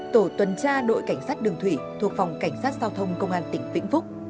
tổ tuần tra đội cảnh sát đường thủy thuộc phòng cảnh sát giao thông công an tỉnh vĩnh phúc